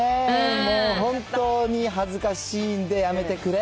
もう、本当に恥ずかしいんでやめてくれ。